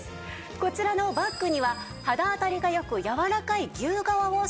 こちらのバッグには肌当たりが良くやわらかい牛革を使用しています。